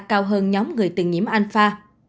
cao hơn nhóm người từng nhiễm alpha